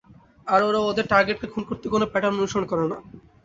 আর ওরা ওদের টার্গেটকে খুন করতে কোনো প্যাটার্ন অনুসরণ করে না।